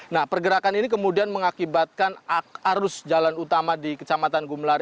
nah pergerakan ini kemudian mengakibatkan arus jalan utama di kecamatan gumelar